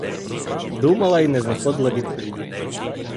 Думала й не знаходила відповіді.